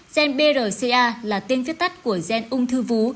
gen brca là tên viết tắt của gen ung thư vú